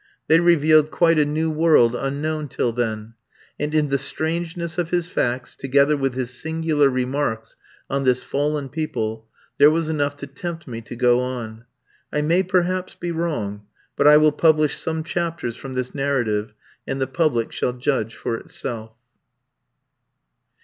They revealed quite a new world unknown till then; and in the strangeness of his facts, together with his singular remarks on this fallen people, there was enough to tempt me to go on. I may perhaps be wrong, but I will publish some chapters from this narrative, and the public shall judge for itself.